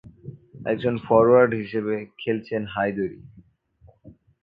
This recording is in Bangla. একজন ফরোয়ার্ড হিসেবে খেলছেন হায়দরি।